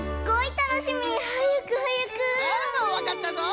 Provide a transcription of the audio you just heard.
わかったぞい！